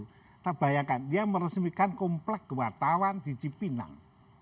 kita bayangkan dia meresmikan komplek wartawan di cipinang